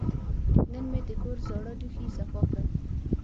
نن مې د کور زاړه لوښي صفا کړل.